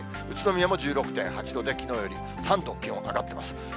宇都宮も１６．８度で、きのうより３度、気温上がっています。